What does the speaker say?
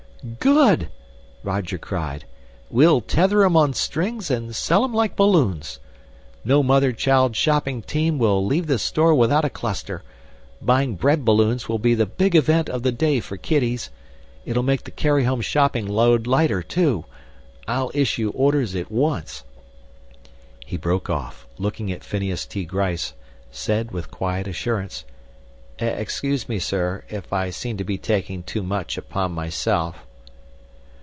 "Good!" Roger cried. "We'll tether 'em on strings and sell 'em like balloons. No mother child shopping team will leave the store without a cluster. Buying bread balloons will be the big event of the day for kiddies. It'll make the carry home shopping load lighter too! I'll issue orders at once "He broke off, looking at Phineas T. Gryce, said with quiet assurance, "Excuse me, sir, if I seem to be taking too much upon myself."